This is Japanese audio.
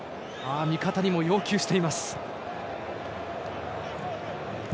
味方にも要求しています。